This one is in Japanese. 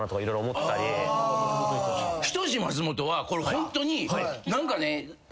「人志松本」はこれホントに何かね